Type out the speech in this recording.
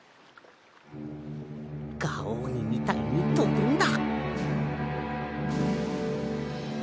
ガオーニみたいにとぶんだ。